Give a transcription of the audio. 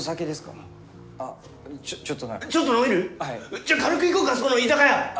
じゃ軽く行こうかそこの居酒屋。